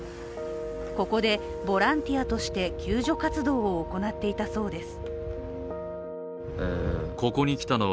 ここでボランティアとして救助活動を行っていたそうです。